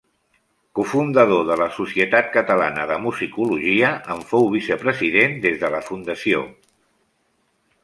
Cofundador de la Societat Catalana de Musicologia, en fou vicepresident des de la fundació.